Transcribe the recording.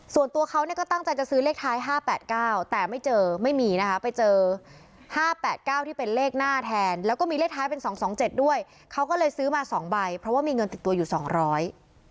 ส่วนตัวเขาเนี่ยก็ตั้งใจจะซื้อเลขท้ายห้าแปดเก้าแต่ไม่เจอไม่มีนะคะไปเจอห้าแปดเก้าที่เป็นเลขหน้าแทนแล้วก็มีเลขท้ายเป็นสองสองเจ็ดด้วยเขาก็เลยซื้อมาสองใบเพราะว่ามีเงินติดตัวอยู่สองร้อย